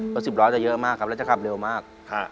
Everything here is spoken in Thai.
แล้ว๑๐ร้อยจะเยอะมากแล้วจะขับเร็วมาก